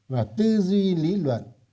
và tư duy lý luận